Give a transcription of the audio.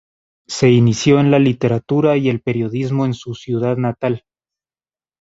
Se inició en la literatura y el periodismo en su ciudad natal.